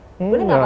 boleh nggak pak